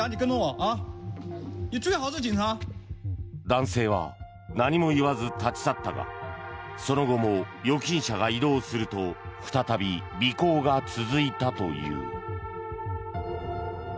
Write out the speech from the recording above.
男性は何も言わず立ち去ったがその後も預金者が移動すると再び尾行が続いたという。